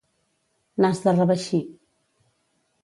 Nas de reveixí.